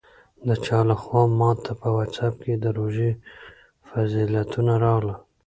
د چا لخوا ماته په واټساپ کې د روژې فضیلتونه راغلل.